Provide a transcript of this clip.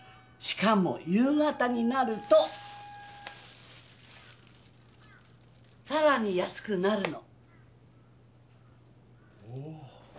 しかも夕方になるとさらに安くなるの！